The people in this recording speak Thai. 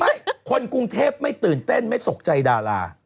คนกรุงเทพไม่ตื่นเต้นไม่ตกใจดารา